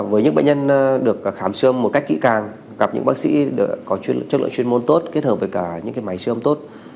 với những bệnh nhân được khám sơm một cách kỹ càng gặp những bác sĩ có chất lượng chuyên môn tốt kết hợp với những máy sơm tốt